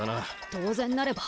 当然なれば。